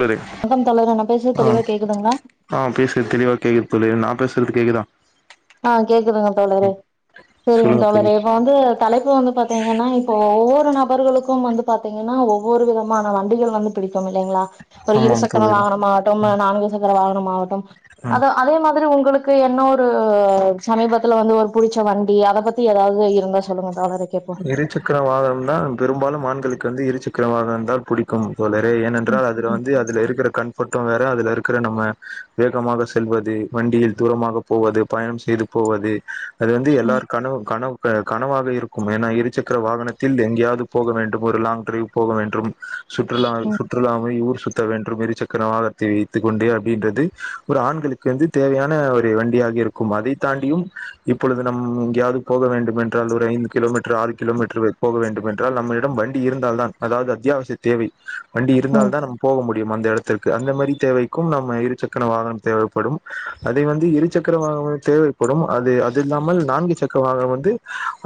ready வணக்கம் தோழரே நா பேசுறது ஆ தெளிவா கேக்குதுங்களா ஆ பேசுறது தெளிவா கேக்கு தோழி நா பேசுறது கேக்குதா ஆ கேக்குதுங்க தோழரே ம் சரிங்க சொல்லுங்க தோழி தோழரே இப்ப வந்து தலைப்பு வந்து பாத்தீங்கன்னா இப்போ ஒவ்வொ நபர்களுக்கும் வந்து பாத்தீங்கன்னா ஒவ்வொரு விதமான வண்டிகள் வந்து பிடிக்கும் இல்லைங்ளா ஒரு இரு ஆமாம் சக்கர தோழர் வாகனமாவட்டும் நான்கு சக்கர வாகனமாவட்டும் ஆ அது அதே மாதிரி உங் களுக்கு என்ன ஒரு ஊ சமீபத்துல வந்து ஒரு புடிச்ச வண்டி அத பத்தி ஏதாவ்து இருந்தா சொல்லுங் இரு சக்கர வாகனம்னா பெரும்பாலும் ஆண்களு க்கு வந்து இருச்சக்கர வாகணம்தா புடிக்கும் தோழரே ம் ஏனென்றால் அதுல வந்து அதுல இருக்குற கண் பட்டு வேற அதுல இருக்குற நம்ம வேகமாக செல்வது வண்டியில் தூரமாக போவது பயணம் செய்து போவது அது வந்து ம் எல்லாருக்கான கனவ் கனவாக இருக் ஏன்னா இருசக்கர வாகனத்தில் எங்கேயாவது போக வேண்டும் ஒரு லாங் ட்ரைவ் போக வேண்டும் சுற்றுலா சுற்றுலாவை ஊர் சு த வேண்ரும் இருசக்கர வாகத்தை வைத்துக் கொண்டே அப்டின்றது ஒரு ஆண்களுக்கு வந்து தேவையான ஒரு வண்டியாக இருக்கும் அதை தாண்டியும் இப்பொழுது நம் எங்கையாவ்து போக வேண்டும் என்றால் ஒரு ஐந்து கிலோமீட்ரு ஆறு கிலோமீட்ரு வ போக வேண்டும் என்றால் நம்மளிடம் வண்டி இருந்தால்தான் அதாவது அத்தியாவசிய தேவை வண்டி ம் இருந்தால் தா நம்ம போக மு டியும் அந்த இடத்திற்கு அந்த மாரி தேவைக்கும் நம்ம இரு சக்கர வாகனம் தேவைப்படும் அதே வந்து இரு சக்கர வாகனம் தேவைப்படும் அது அது இல்லாமல் நான்கு சக்கர வாகனம் வந்து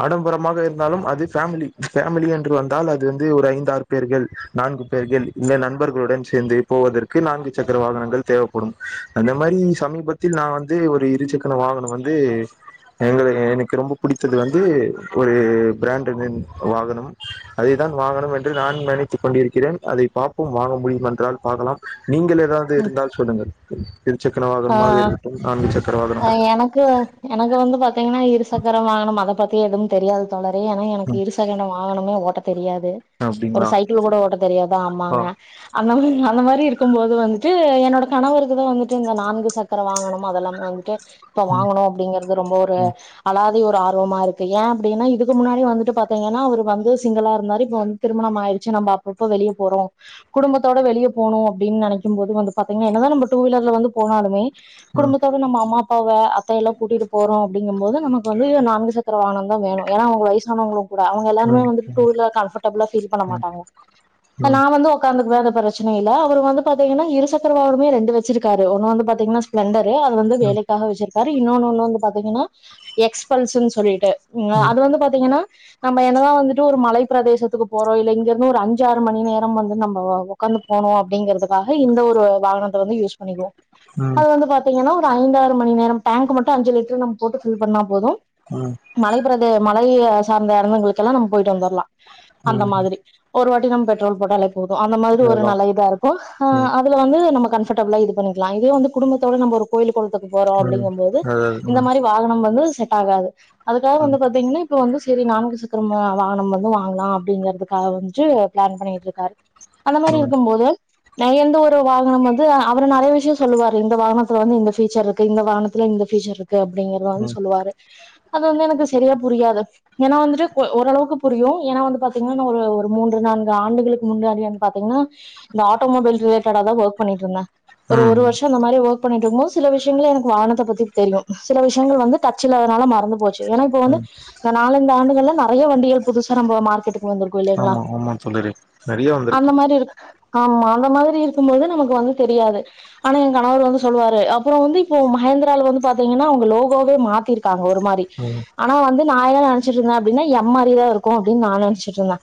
அடம் பரமாக இருந்தாலும் அது ஃபேமிலி ஃபேமிலி என்று வந்தால் அது வந்து ஒரு ஐந்தாறு பேர்கள் நான்கு பேர்கள் இல்லை நண்பர்களுடன் சேர்ந்து போவதற்கு நான்கு சக்கர வாகனங்கள் தேவைப்படும் அந்த மாரி சமீபத்தில் நா வந்து ஒரு இரு சக்கர வாகனொ வந்து எங்கள எனக்கு ரொம்ப புடித்தது வந்து ஒரு ப்ராண்டனன் வாகனம் அதேதான் வாங்கணும் என்று நானும் நினைத்துக் கொண்டிருக்கிறேன் அதை பார்ப்போம் வாங்க முடியும் என்றால் பார்க்கலாம் நீங்கள் ஏதாவது இருந்தால் சொல்லுங்கள் இருசக்கர ஆ வாகனமாக இருக்கட்டும் நான்கு சக்கர ஆ அ வாகனம் எனக்கு எனக்கு வந்து பாத்தீங்கன்னா இருசக்கரம் வாங்கணும் அத பத் தி ஏதும் தெரியாது தோழ ரே ஆனா எனக்கு ம் இருசகட வாங் வாகனமே ஓட்ட தெரியா து ஒரு அப்டிங்களா சைக்கிள் கூட ஓட்ட தெரியாது ஆ ஆமாங்க அனால நா அந்த மாரி இருக்கும்போது வந்துட்டு என்னோட கணவருக்குதா வந்துட்டு இந்த நா நான்கு சக்கர வாகனம் அது எல்லாமே வந்துட்டு இப்ப ம் வாங்கணும் அப்புடிங்கறது ரொம்ப ஒரு ம் அழாத் தை ஒரு ஆர்வமா இருக்கு ஏ அப்புடின்னா இதுக்கு முன்னாடி வந்துட்டு பாத்தீங்கன்னா அவுரு வந்து சிங்களா இருந்தாரு இப்போ வந் திருமணம் ஆயிருச்சி நம்ப அப்பப்போ வெளிய போறோம் குடும்பத்தோட வெளிய போனும் அப்புடின்னு நெனைக்கிம் போது பாத்தீங்கன்னா என்ன தா நம்ப டூ வீலர்ல வந்துப் போனாலுமே ம் குடும்பத்தோடு நம்ம அம்மாப் வை அத்தைய எல்லாம் கூட்டிட்டு போறோம் அப்படிங்கும் போது நமக்கு வந்து நான்கு சக்கர வாகனம் தான் வேணும் ஏன்னா உங்க வயசான உங்களுக்கு ட அவங்க ம் எல்லாருமே ம் வந்து டூ வீலர் கம்ஃபேட்புளா பீல் பண்ண மாட்டாங்க ம் ம் நான் வந்து உகார்ந்துற பிரச்சனை இலை அவர் வந்து பாத்தீங்கன்னா இருசக்கரவருமே ரெண்டு வச்சிருக்காரு ஒன்னு வந்து பாத்தீங்கன்னா ஸ்ப்லெண்டர் து அது வந்து வேலைக்காக வச்சிரு சார் இன்னொன்னு ஒண்ணு வந்து பாத்தீங்கன்னா எக்ஸ்பல்சன்னு சொல்லிட்டு உ அது வந்து பாத்தீங்கன்னா நம்ம என்னதான் வந்துட்டு ஒரு மலை பிரதேசத்துக்கு போறோம் இல் இங்க இருந்து ஒரு அஞ்சு ஆறு மணி நேரம் வந்து நம்ம உட்காந்து போனோம் அப்படிங்கிறதுக்காக இந்த ஒரு வாகனத்தை வந்து யூஸ் பன்னிக்குவோ ம் ம் ம் அது வந்து பாத்தீங்கன்னா ஐந்தாறு மணி நேரம் டேங்க் மட்டும் அஞ்ச் லிட்டர் நம்ம போட்டு பில் பண்ணா போதும் ம் மலை பிரதே மழையை சார்ந்த இந்தங்களுக்கல்லாம் நம்ம போயிட்டு வந்துரலாம் அந்த மாதிரி ஒருவ நம் பெட்ரோல் போடல போதும் அந்த மாதிரி ஒரு அதெல்லாம் நல்ல இதா இருக்கும் ம் ஆஹ் அதுல வந்து நம கம்ப்ஃபடபுலா இருக் பண்ணிக்கலாம் இதே வந்து குடும்பத்தோட நம்ம ஒரு கோயில் குளத்துக்கு போறோம் ம் அப்படிங்கும் போது அதாவது இந்த ம் மாரி வாகனம் வந்து செட் ஆகாது அதுக்காக ம் வந்து பாத்தீங்கன்னா இப்ப வந்து சரி நான்கு சக்கரம் வாகனம் வந்து வாங்லாம் அப்படிங்கறிறதுக்காக வந்து பிளான் பண்ணிட்டுருக்காரு அந்த மாரி ம் இருக்கும்போது ந எந்த ஒரு வாகனம் வந்து அத் நிறைய விஷயம் சொல்லுவாரு இந்த வாகனத்துல வந்து இந்த பீயுச்சர் இருக்கு இந்த வாகனத்தில் இந்த பபீச்சர் இருக்கு அப்படிங்கறதான் ம் சொல்லுவாரு அது வந்து எனக்கு சரியா புரியாது ஏன்னா வந்துட்டு ஓரளவுக்கு புரியும் ஏன்னா வந்து பாத்தீங்கன்னா நா ஒரு ஒரு மூன்று நான்கு ஆண்டுகளுக்கு முன்னாடினு பாத்தீகன்னா இந்த ஆட்டோமொபைல் ரிலேட்டட தான் ஒர்க் பண்ணிட்டுறுந்தேன் ஒரு ஒரு ம் வருஷம் இந்த மாதிரி ஒர்க் பண்ணிட்டு இருோ சில விஷயங்கள எனக்கு வாகனத்தை பத்தி தெரியும் சில விஷயங்கள் வந்து டச்ல்லனால மறந்து போச்சு ஏன்னா இப்ப வந்து ம் இந்த நாலந்து ஆண்டுகளா நான் பழைய வண்டிய புதுசா நம்ப மார்க்கெட் வந்திருக்கும் இல்லலைங்களா ஆமா ஆமா தோழரே நெறைய அந்த வந்திருக்கு மாரி இருக்கு ஆமா அந்த மாதிரி இருக்கும்போது நமக்கு வந்து தெரியாது ஆனா என் கணவர் வந்து சொல்லுவாரு அப்புறம் வந்து இப்போ மகேந்திரால வந்து பாத்தீங்கன்னா அவுங்க லோகோவே மாத்திருக்காங்க ஒரு மாரி ம் ஆனா வந்து நாலா நெனச்சிட்ருந்தே அப்டினா எம் மாரியே இருக்கு அப்டின் நா நெனைச்சுட்ருந்தே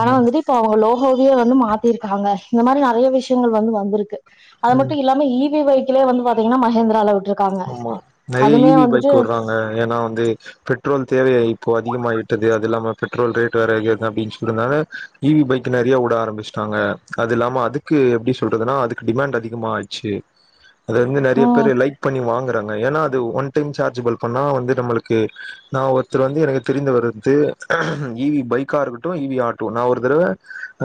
ஆனா ம் வந்துட்டு இப்ப அவ்ங்க லோகோவயே வந்து மாத்திருக்காங்க இது மாரி நெறைய விஷ்யங்கள் வந்து வந்திருக்கு அது ம் மட்டு இல்லாம இ வி வெஹிக்கிளே வந்து பாத்தீங்கனா மகேந்திரால விட்ருக்காங்க ஆமா நெறைய இ வி பைக் விட்றாங்க ஏனா வந்து பெட்ரோல் தேவை இப்போ அதிகமாயிட்டது அது இல்லாம பெட்ரோல் ரேட்டு வேற ஏறுதா அப்டின் சொல்றனால இ வி பைக் நெறைய விட ஆரம்பிச்சுட்டாங்க அது இல்லாம அதுக்கு எப்டி சொல்றதுனா அதுக்கு டிமாண்ட் அதிகமாயிட்ச்சு அத வந்து நெறைய ம் பேரு லைக் பண்ணி வாங்குறாங்க ஏனா அது ஒன் டைம் சார்ஜ் ஃபில் பண்ணா வந்து நம்மளுக்கு நா ஒருத்தர் வந்து எனக்கு தெரிந்தவரு வந்ட்டு இ வி பைக்கா இருக்கட்டு இ வி ஆட்டோ நா ஒரு தறவ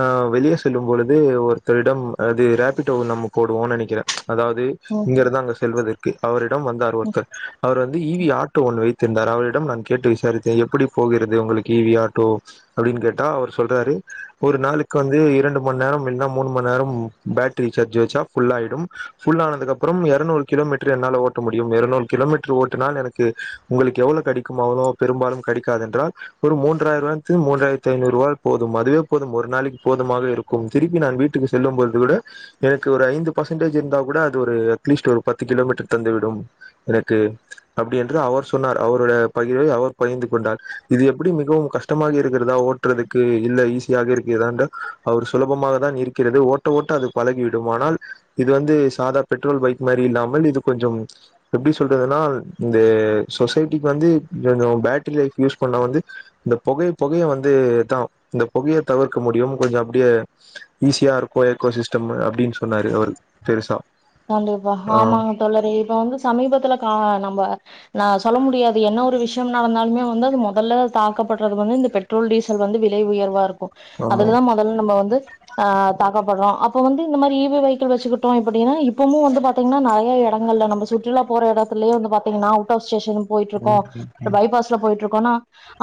ஆஹ் வெளிய செல்லும்பொழுது ஒருத்தரிடம் அது ரேபிடோ நம்ம போடுவோனன் நெனைக்கிறே அதாவ்து ம் இங்கருந்து அங்க செல்றதுக்கு அவரு வந்தாரு ஒருத்தர் ீீ வந்து இ வி ீீஆட்டோ ஒன்னு வைத்து திரிந்தார் அவரிடம் நான் கேட்டு விசாரித்தேன் எப்டி போகிறது உங்களுக்கு இ வி ஆட்டோ அப்டின் கேட்டா அவர் சொல்றாரு ஒரு நாளுக்கு வந்து இரண்டு மண் நேரம் இல்னா மூணு மண் நேரம் பேட்ரி சார்ஜ் வச்சா ஃபுல் ஆய்டும் ஃபுல் ஆனதுக்கப்றம் எரநூறு கிலோமீட்டர் என்னால ஓட் ட முடியும் எரநூறு கிலோமீட்டர் ஓட்டினால் எனக்கு உங்களுக்கு எவ்ளோ கெடைக்கும் ஆனால் பெரும்பாலும் கெடைக்காது என்றார் ஒரு மூண்றர நேரத்தில் மூண்றாயிரத்தி ஐநூருவாய் போதும் அதுவே போதும் ஒரு நாளைக்கி போதுமாக இருக்கும் திருப்பி நான் வீட்டுக்கு செல்லும்போதுவிட எனக்கு ஒரு ஐந்து பெர்சன்டேஜ் இருந்தா கூட அது ஒரு அட்லிஸ்ட் ஒரு பத்து கிலோ மீட்டர் தந்துவிடும் எனக்கு அப்டியென்று அவர் சொன்னார் அவரோட பகிர்வை அவர் பகிர்ந்து கொண்டார் இது எப்டி மிகவும் கஷ்டமாக இருக்கிறதா ஓட்றதுக்கு இல்ல ஈஸியாக இருக்கிறதா என்றால் அவர் சுலபமாக தான் இருக்கிறது ஓட்ட ஓட்ட அது பழகிடும் ஆனால் இது வந்து சாதா பெட்ரோல் பைக் மாரி இல்லாமல் இது கொஞ்ச எப்டி சொல்றதுனா இந்த சொசைட்டிக்கு வந்து கொஞ்ச பேட்ரி லைஃப் யூஸ் பண்ணா வந்து இந்த புகைய புகைய வந்து தா இந்த புகைய தவிர்க்க முடியும் கொஞ்ச அப்டியே ஈஸியா இருக்கு ஏக்கோசிஸ்டம் அப்டின் சொன்னாரு அவரு பெருசா கண்டிப்பா ஆ ஆமாங்க தோழரே இப்ப வந்து சமீபத்துல கா நம்ப நா சொல்ல முடியாது என்ன ஒரு விஷ்யம் நடந்தாலுமே வந்து அது மொதல்ல தாக்கப்பட்றது வந்து இந்த பெட்ரோல் டீசல் வந்து விலை உயர்வா இருக் கு ஆமா அதுலதா மொதல் நம்ப வந்து ஆஹ் தாக்கப்பட்றோ அப்ப வந்து இந்த மாரி இ வி வெஹிள் வச்சுக்கிட்டோ அப்டினா இப் பவுமே வந்து பாத்தீங்கனா நெறைய எடங்கள்ல நம்ம சுற்றுலா போற எடத்துலே வந்து பாத்தீங்கனா அவுட் ஆஃப் ஸ்டேஷனுக்கு போயிட்ருக்கோ ம் ம் ம் பைபாஸ்ல போயிட்ருக் கோனா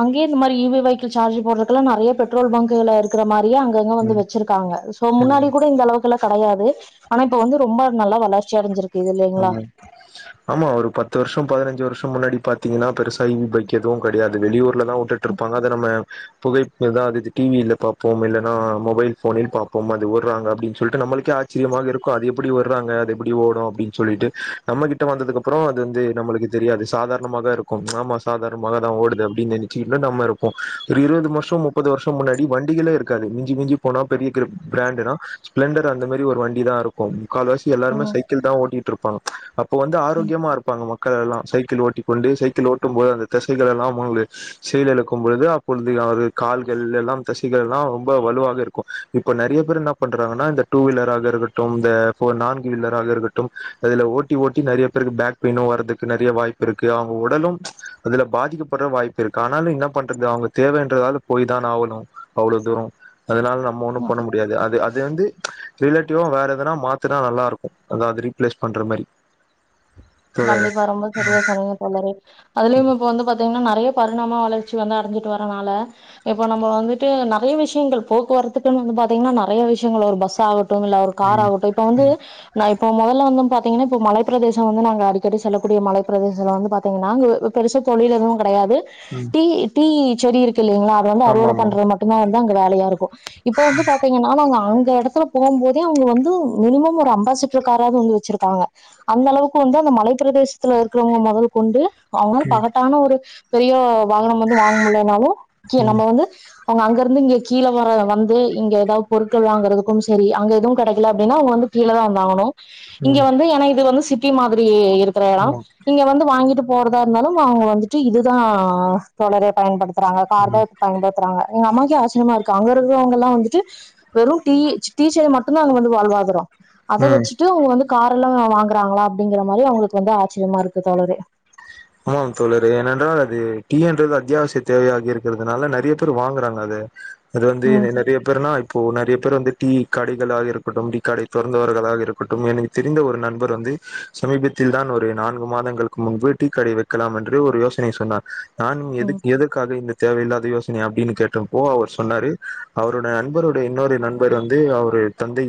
அங்கேயே இந்த மாரி இ வி வெஹிகிள் சார்ஜ் போட்றக்குலா நெறைய பெட்ரோல் பங்குலலா இருக்குற மாரி எல்லா அங்கங்க வந்து ம் வெச்சிருக்காங்க சோ முன்னாடி ம் கூட இந்த அளவுக்குலா கெடையாது ஆனா இப்ப வந்து ரொம்ப நல்ல வளர்ச்சி அடஞ்சிருக் ஆமா இல்ல ஒரு பத்து வர்ஷ பதினஞ்சு வர்ஷ முன்னாடி பாத்தீங்கனா பெருசா எதுவு பக்கெட்டு கெடையாது வெளியூர் லதா விட்டுட்ருப்பாங்க அத நம்ம புகைப்புதா [unintelligible] டி வி யில பாப்போம் இல்லனா மொபைல் ஃபோனில் பாப்போம் அது வர்றாங்க அப்டின் சொல்ட்டு நம்ம வீட்ல ஆச்சரியமாக இருக்கு அது எப்டி ஏர்றாங்க அது எப்டி ஓடு அப்டின் சொல்லிட்டு நம்மகிட்ட வந்ததுக்கு அப்றோ அது வந்து நம்மளுக்கு தெரியாது சாதாரணமாக இருக்கு ஆமா சாதாரணமாகதா ஓடுது அப்டின் நெனச்சு நம்ம இருப்போ ஒரு இருவது வர்ஷ முப்பது வர்ஷ முன்னாடி வண்டிகளா இருக்காது மஞ்சி மிஞ்சி போனா பெரிய கிரிப் பிராண்டுனா ஸ்பிளெண்டர் அந்த மாரி ஒரு வண்டி தா இருக்கு கால் வசி எல்லாருமே ம் சைக்கிள் தா ஓட்டிட் ருப்பாங்க அப் ப்ப வந்து ஆரோக்கியமா இருப்பாங்க மக் கள் எல்லா சைக்கிள் ஓட்டிக்கொண்டு சைக்கிள் ஓட்டும் போது அந்த தசைகள் எல்லா மாறிடு செயல் எழுக்கும் பொழுது அப்பொழுது அவரு கால்கள் எல்லாம் தசைகள்லா ரொம்ப வலுவாக இருக்கு இப்ப நெறைய பேர் என்ன பண்றாங்கனா இந்த டூ வீலராக இருக்கட்டும் இந்த ஃபோர் நான்கு வீலராக இருக்கட்டும் அதுல ஓட்டி ஓட்டி நெறைய பேருக்கு பேக் பெயினு வர்றதுக்கு நெறைய வாய்ப்பிருக்கு அவ்ங்க உடலும் அதுல பாதிக்கப்பட்ற வாய்ப்பு இருக்கு ஆனாலு என்ன பண்றது அவ்ங்க தேவன்றதால போய் தான ஆகணு அவ்ளோ தூரோ அதனால நம்ம ஒன்னு பண்ண முடியாது அது அது வந்து ரிலேட்டிவு வேற எதனா மாத்துனா நல்லா இருக்கு அது மாதிரி ப்ளேஸ் பண்ற மாரி தோழரே கண்டிப்பா ரொம்ப செரியா சொன்னீங்க தோழரே அதுலயே இப்ப வந்து பாத்தீங்கனா நறய பர்ணாம வளர்ச்சி வந்து அடஞ்சிட்டு வரனால இப்ப நம்மோ வந்துட்டு நறைய விஷயங்கள் போக்குவரத்துக்கு னு வந்து பாத்திங்கனா நறைய விஷயங்கள் பஸ் ஆகடோ [unintelligible] இல்ல ஒரு கார் ம் ஆகட்டோ இப்ப வந்து ம் நா இப்ப முதல்ல வந்து பாத்தீங்கன்னா இப்ப மலை பிரதேசம் வந்து நாங்க அடிக்கடி செல்லக்கூடிய மலைப் பிரதேசத்த வந்து பாத்தீங்கன்னா பெருசா தொலில் எதுவு கெடையாது ம் தி தி செரி இருக் இல்லைங்களா அதது வந்து ஆமா அறுவட ஆமா பண்றது மட்டுதா வந்து அங்க வேலயா இருக்கோ இப்ப வந்து பாத்தீங்கனா நாங்க அங்க எடத்துல போம் போது அவுங்க வந்து மினிமம் ஒரு அம்பாஸ்சிட்டர் காராது வந்து வச்சிருக்காங்க அந்த அளவுக்கு வந்து மலைப்பிரதேசத்தில் இருக்கிறவங்க மொதல் கொண்டு அவுனால ம் பணத்தான ஒரு பெரிய வாகனம் வந்து வாங்க முலனாலு ம் நம்ம வந்து அவங்க அங்கருந்து இங்கே கீல வர வந்து இங்க ஏதாது பொருட்கள் வாங்குறதுக்கும் செரி அங்கே எதுவு கடைக்கல அப்டின்னா அவங்க வந்து கீல தா வந்தாகாணு இங்க ம் வந்து எனா இது வந்து சி திமாது அப்டியே இருக்கிற எடோ ஆமா நீங்க வந்து வாங்கிட்டு போ போறதா இருந்தாலும் அவங்க வந்துட்டு இதுதான் தொடர பயன்படுத்த ங்க கார ம் தான் பயன்படுத்துறாங்க எங்க அம்மாக்கு ஆச்சரியமா இருக்கு அங்க இருவங்க வந்துட்டு வெறும் டீ ச்ச [unintelligible] மட்டும்தான் அங்க வந்து வாழ்வாதிரோ அத ம் வச்சுட்டு அவுங்க வந்து கார எல்லாம் வாங்குறாங்களா அ அப்படிங்கற மாரி அவங்களுக்கு வந்து ஆச்சரியமா இருக்கு தோழரே ஆம தோழரரே ஏனென்றால் அது டீன்றது அத்தியாவசிய தேவையாகி இருக்கிறதுனால நெறைய பேரு வாங்குறாங்க அது அது வந்து ம் நிறைய பேருனா இப்போ நிறைய பேர் வந்து தீ கடைகளாக இருக்கட்டு கடை தோறந்தவர்களாக பட்டும் எனக்கு தெரிந்த ஒரு நண்பர் வந்து சமீபத்தில்தா ஒரு நான்கு மாதங்களுக்கு முன்பு டீ கடை வைக்கலாம் என்று ஒரு யோசனை சொன்னார் நானும் எது ம் எதற்காக இந்த தேவையில்லாத யோசனைைய அப்படின்னு கேட்டப்போ அவர் சொன்னாரு அவருடைய நண்பருடைய இன்னொரு நண்பர் வந்து அவரு தந்தை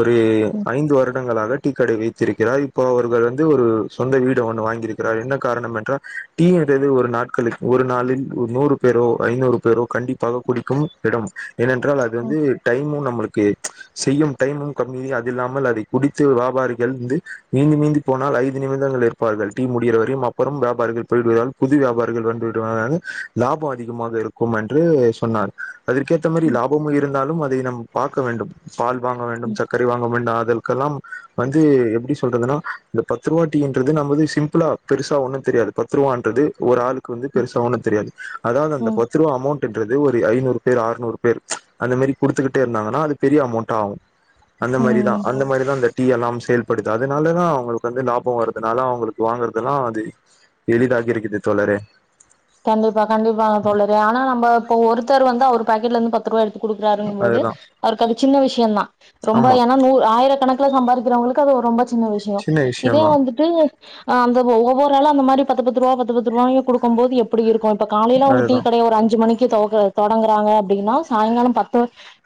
ஒரு ம் ஐந்து வருடங்களாக கடை வைத்திருக்கிறார் இப்போ அவர்கள் வந்து ஒரு சொந்த வீட ஒன்று வாங்கியிருக்க க்க என்ன காரணம் என்றால் டீ என்றது ஒரு நாட்க ஒரு நாளில் நூறு பேரோ ஐநூறு பேரோ கண்டிப்பாக குடிக்கும் இடம் ஏனென்றால் அது வந்து டைமும் நம்மளுக்கு செய்யும் டைமும் கம்ம அதுல்லாமல் அதைக் குடித்து வியாபாரிகள்ந்து மீந்து மீந்த போனால் ஐந்து நிமிதங்கள் இருப்பார்கள் டீ முடிற வரையும் அப்புறம் வியாபாரிகள் போய்விடுவதால் புது வியாபாரிகள் வந்துடுவத லாபம் அதிகமாக இருக்கும் என்று சொன்னார் அததுற்கேற்ற மாதிரி ம் லாபமும் இருந்தாலும் அதை நம் பார்க்க வேண்டும் பால் வாங்க ம் வேண்டும் சர்க்கரை வாங்க வேண்டும் அதில் ல்லாம் வந்து எப்படி சொல்றதுன்னா இந்த பத்ருவா டீன்றது நம சி இல பெருசா ஒண்ணும் தெரியாது பத்து ரூபான்து ஒரு ஆளுக்கு வந்து பெருசா ஒண்ணும் தெரியாது அதான் அந்த ம் பத்து ரூா அமௌண்ட் ன்றது ஒரு ஐநூறு பேர் அறுநூறு பேர் அந்த மாதிரி கொடுத்துக்கிட்டே இருந்தாங்கன்னா அது பெரிய அமௌண்ட் ஆகும் அந்த ம் மாதிரிதான் அந்த மாதிரிதான் அந்த டீ எல்லாம் செயல்படுது அதனாலதான் அவங்களுக்கு வந்து லாபம் வருதுனால அவங்களுக்கு வாங்கறதெல்லாம் அது எளிதாகி இருக்குது தோழரே கண்டிப்பா கண்டிப்பா நான் சொல்லுறேன் ஆனா நம்ம இப்ப ஒருத்தர் வந்து அவரு பாக்கெட் ல இருந்து பத்து ருபா எடுத்து கொடுக்குறாருங்க போது அதுதா அவருக்கு அது சின்ன விஷயம் தான் ரொம்ப ஆமா ஏன்னா நூறு ஆயிரக்கணக்கு சம்பாதிக்கிறவங்களுக்கு அது ரொம்ப சின்ன விஷயம் இதே வந்துட்டு அந்த ஒவ்வொரு ஆள அந்த மாதிரி பத்து பத்து ரூபா பத்து பத்து ரூவாய குடுக்கும்போது எப்டி எப்படி இருக்கும் காலையில உங்க டீ அதுதா கடைய ஒரு அஞ்சு மணிக்கு தொடங்குறாங்க அப்படின்னா சாயங்காலம் பத்து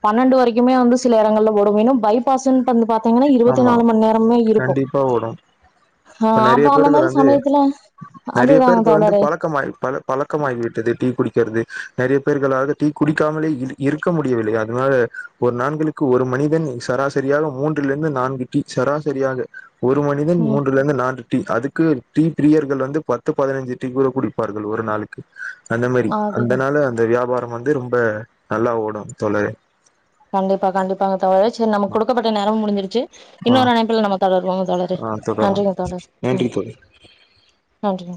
பன்னெண்டு வரைக்குமே வந்து சில இடங்களில் [inaudible] பைபாஸ்ன்ட்டு பாத்தா பாத்தீங்கன்னா இருபத்தி ஆமா நாலு மணி நேரமே இருக்கும் கண்டிப்பா ஓடும் இப்ப ஆஹ் அப்ப நெறைய அந்த பேருக்கு மாதிரி வந்து சமயத்துல நெறைய அதுதான் பேருக்கு வந்து தோழரே பழக்கமாய் பழ பழக்கமாகிவிட்டது டீ குடிக்கிறது நிறைய பேர்களாக டீ குடிக்காமலே இருக்க முடியவில்லை அதனால் ஒரு நாள்களுக்கு ஒரு மனிதன் சராசரியாக மூன்று இதில்இருந்து நான்கு டீ சராசரியாக ஒரு மனிதன் ம் மூன்றிலிருந்து நான்கு டீ அதுக்கு டீ பிரியர்கள் வந்து பத்து பதினைஞ்சு டீ கூட குடிப்பார்கள் ஒரு நாளுக்கு அந்த மாதிரி அதுதான் அந்தனால அந்த வியாபார நம்பவந்து ரொம்ப நல்லா ஓடும் தொலை கண்டிப்பா கண்டிப்பாக தோழர் சரி நம்ம கொடுக்கப்பட்ட நேரம் முடிஞ்சிருச்சு ஆ இன்னொரு அமைப்பில் நம்ப தொடர்பும் தொடர்ந்து ஆ தொடரும் நன்றிங்க தோழர் நன்றி தோழி நன்றி